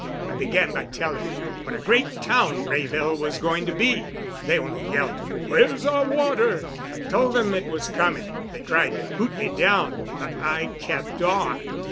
I began by telling 'em what a great town Wrayville was going to be. They only yelled, 'Where's our water?' I told them it was coming. They tried to hoot me down, but I kept on."